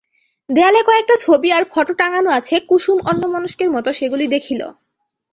দেয়ালে কয়েকটা ছবি আর ফটো টাঙানো আছে, কুসুম অন্যমনস্কের মতো সেগুলি দেখিল।